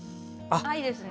いいですね。